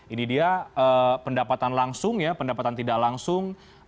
ini dia pendapatan langsung ya pendapatan tidak langsung